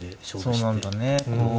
そうなんだね。